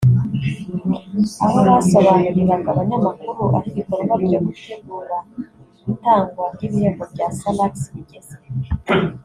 aho basobanuriraga abanyamakuru aho ibikorwa byo gutegura itangwa ry’ibihembo bya Salax rigeze